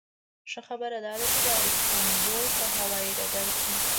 ښه خبره داده چې د استانبول په هوایي ډګر کې.